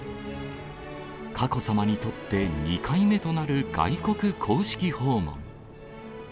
佳子さまにとって２回目となる外国公式訪問。